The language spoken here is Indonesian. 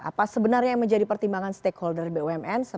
apa sebenarnya yang menjadi pertimbangan stakeholder bumn